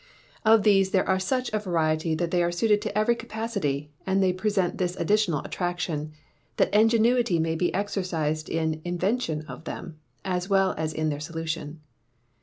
Of these there are such a variety, that they are suited to every capacity; and they present this additional attraction, that ingenuity may be exercised in the invention of them, as well as in their solution.